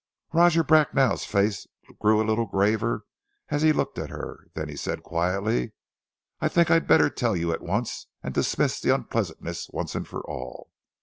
Roger Bracknell's face grew a little graver as he looked at her, then he said quietly, "I think I had better tell you at once, and dismiss the unpleasantness once and for all....